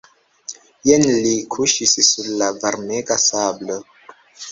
Jen li kuŝis sur la varmega sablo.